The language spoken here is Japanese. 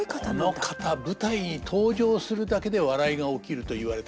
この方舞台に登場するだけで笑いが起きると言われた。